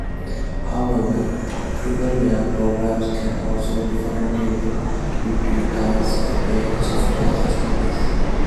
However, crippleware programs can also differentiate between tiers of paying software customers.